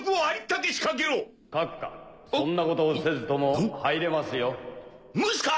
・閣下そんなことをせずとも入れますよ・ムスカ！